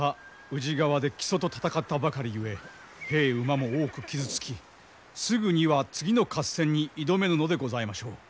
宇治川で木曽と戦ったばかりゆえ兵馬も多く傷つきすぐには次の合戦に挑めぬのでございましょう。